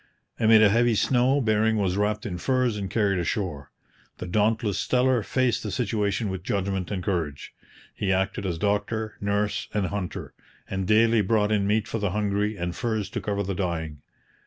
Amid a heavy snow Bering was wrapped in furs and carried ashore. The dauntless Steller faced the situation with judgment and courage. He acted as doctor, nurse, and hunter, and daily brought in meat for the hungry and furs to cover the dying.